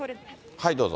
はい、どうぞ。